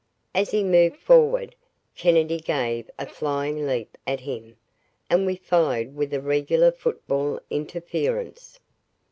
As he moved forward, Kennedy gave a flying leap at him, and we followed with a regular football interference.